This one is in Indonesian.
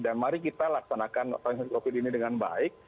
dan mari kita laksanakan vaksinasi covid ini dengan baik